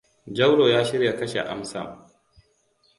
Jauro ya shirya kashe Amsaam.